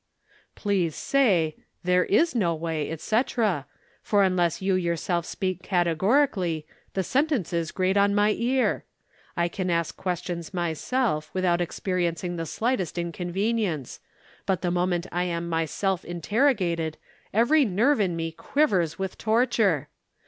"Please say, 'There is no way, etc.,' for unless you yourself speak categorically, the sentences grate upon my ear. I can ask questions myself, without experiencing the slightest inconvenience, but the moment I am myself interrogated, every nerve in me quivers with torture.